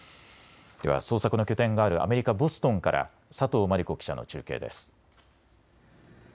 では捜索の拠点があるアメリカ・ボストンから佐藤真莉子記者の中継です。